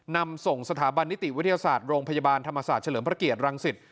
นำส่งสถาบันนิติวิทยาศาสตร์โรงพยาบาลธรรมศาสตร์เฉลิมพระเกียรติรังสิต